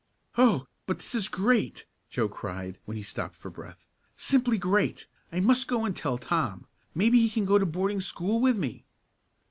"Oh, but this is great!" Joe cried when he stopped for breath. "Simply great! I must go and tell Tom. Maybe he can go to boarding school with me."